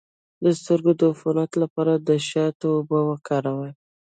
د سترګو د عفونت لپاره د شاتو اوبه وکاروئ